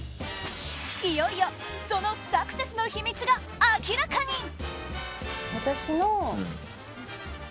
いよいよそのサクセスの秘密が明らかに。